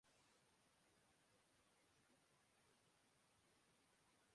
جغرافیے کی اٹل حقیقت ہوتی ہے۔